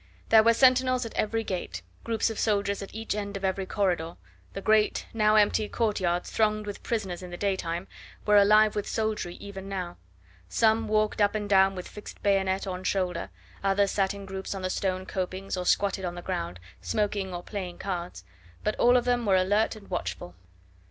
There were sentinels at every gate, groups of soldiers at each end of every corridor, the great now empty courtyards, thronged with prisoners in the daytime, were alive with soldiery even now. Some walked up and down with fixed bayonet on shoulder, others sat in groups on the stone copings or squatted on the ground, smoking or playing cards, but all of them were alert and watchful.